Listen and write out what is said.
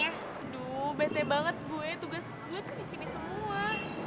aduh bete banget gue tugas gue kan disini semua